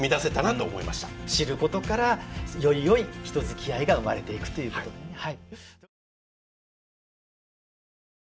知ることからよりよい人づきあいが生まれていくということでね。